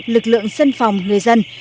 lực lượng dân phòng người dân